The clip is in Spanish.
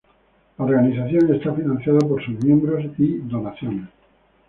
La organización está financiada por sus miembros y por donaciones.